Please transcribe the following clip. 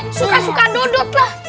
suka suka dodot lah